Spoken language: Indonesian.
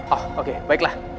oh oke baiklah